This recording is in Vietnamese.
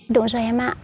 đúng rồi em ạ